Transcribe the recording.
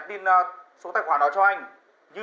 biết vợ anh đâu không